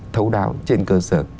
thấu đáo trên cơ sở